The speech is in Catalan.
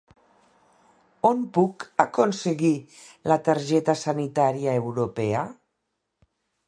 On puc aconseguir la targeta sanitària europea?